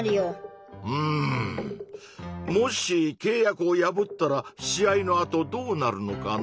もしけい約を破ったら試合のあとどうなるのかな？